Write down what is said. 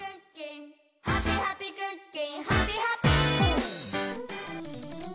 「ハピハピ・クッキンハピハピ！」